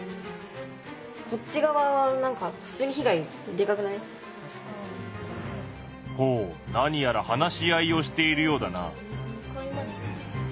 ではほう何やら話し合いをしているようだな。